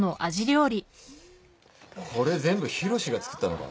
これ全部浩志が作ったのか？